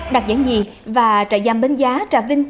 đạt giải hai và trại giam bến giá trà vinh